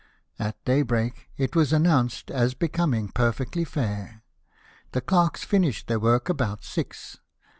At daybreak it was announced as becoming perfectly fair. The clerks finished their work about six.